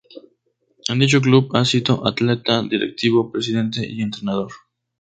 En dicho Club ha sido Atleta, Directivo, Presidente y Entrenador.